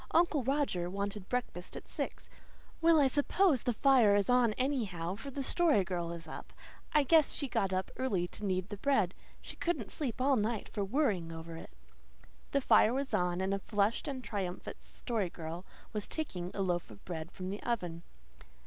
Uncle Roger wanted breakfast at six. Well, I suppose the fire is on anyhow, for the Story Girl is up. I guess she got up early to knead the bread. She couldn't sleep all night for worrying over it." The fire was on, and a flushed and triumphant Story Girl was taking a loaf of bread from the oven.